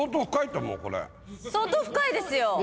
相当深いですよ。